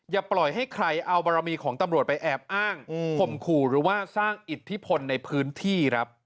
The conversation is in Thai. อย่าปล่อยให้ใครเอาบารมีของตำรวจไปแอบอ้างข่มขู่หรือว่าสร้างอิทธิพลในพื้นที่ครับ